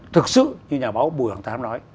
thực sự như nhà báo bùi hoàng thám nói